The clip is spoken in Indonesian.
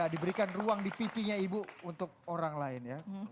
diberikan ruang di pipinya ibu untuk orang lain ya